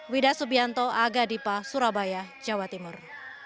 wida subianto aga dipa surabaya jawa timur